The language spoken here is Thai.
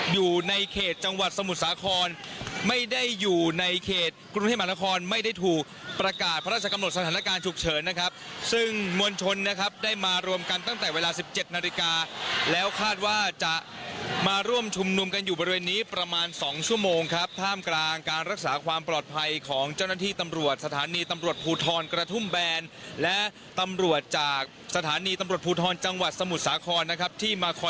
อยู่ในเขตจังหวัดสมุทรสาครไม่ได้อยู่ในเขตกรุงเทพมหานครไม่ได้ถูกประกาศพระราชกำหนดสถานการณ์ฉุกเฉินนะครับซึ่งมวลชนนะครับได้มารวมกันตั้งแต่เวลาสิบเจ็ดนาฬิกาแล้วคาดว่าจะมาร่วมชุมนุมกันอยู่บริเวณนี้ประมาณสองชั่วโมงครับท่ามกลางการรักษาความปลอดภัยของเจ้าหน้าที่ตำรวจสถานี